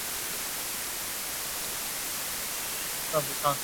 大颗瘤虱蚜为扁蚜科颗瘤虱蚜属下的一个种。